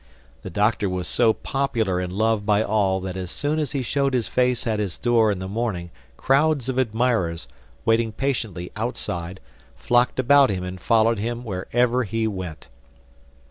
The Doctor was so popular and loved by all that as soon as he showed his face at his door in the morning crowds of admirers, waiting patiently outside, flocked about him and followed him wherever he went.